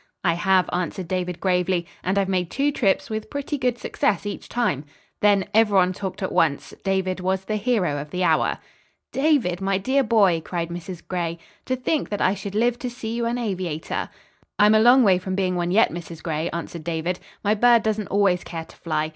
"I have," answered David gravely; "and I've made two trips with pretty good success each time." Then everyone talked at once. David was the hero of the hour. "David, my dear boy," cried Mrs. Gray. "To think that I should live to see you an aviator!" "I'm a long way from being one, yet, Mrs. Gray," answered David. "My bird doesn't always care to fly.